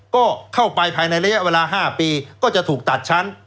ก็เข้าไปภายในระยะเวลา๕ปีก็จะถูกตัดชั้น